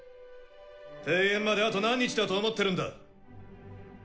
定演まであと何日だと思ってるんだ？